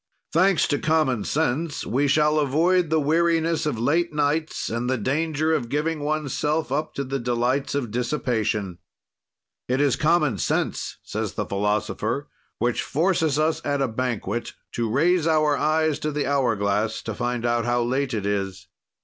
Thanks to common sense, we shall avoid the weariness of late nights and the danger of giving oneself up to the delights of dissipation. "It is common sense," says the philosopher, "which forces us at a banquet to raise our eyes to the hour glass to find out how late it is.